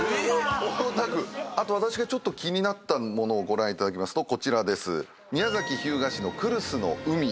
あと私が気になったものをご覧いただきますとこちらです。